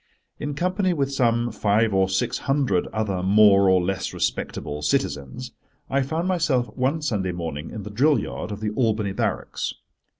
In company with some five or six hundred other more or less respectable citizens, I found myself one Sunday morning in the drill yard of the Albany Barracks.